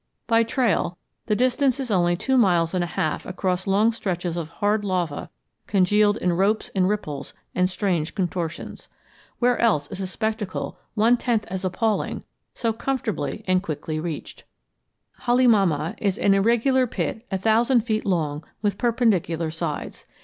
By trail, the distance is only two miles and a half across long stretches of hard lava congealed in ropes and ripples and strange contortions. Where else is a spectacle one tenth as appalling so comfortably and quickly reached? Halemaumau is an irregular pit a thousand feet long with perpendicular sides.